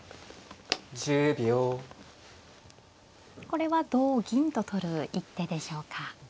これは同銀と取る一手でしょうか。